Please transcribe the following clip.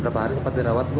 berapa hari sempat dirawat bu